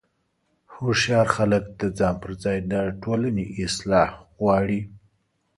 هوښیار خلک د ځان پر ځای د ټولنې اصلاح غواړي.